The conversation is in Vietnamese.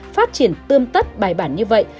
phát triển tươm tất bài bản như vậy